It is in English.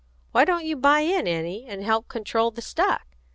Why don't you buy in, Annie, and help control the stock?